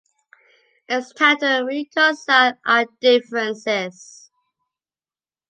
It’s time to reconcile our differences.